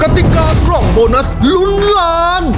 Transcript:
ติกากล่องโบนัสลุ้นล้าน